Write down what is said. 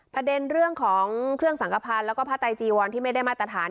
ประเด็นเรื่องของเครื่องสังขพันธ์แล้วก็ผ้าไตจีวรที่ไม่ได้มาตรฐาน